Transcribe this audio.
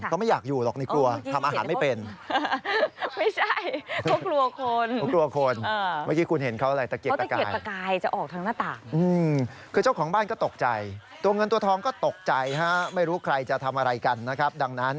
ก็ไม่อยากอยู่หรอกในครัวทำอาหารไม่เป็น